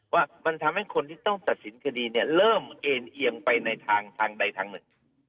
ว่ามันทำให้คนที่ต้องตัดสินคดีเนี่ยเริ่มเอ็นเอียงไปในทางใดทางหนึ่ง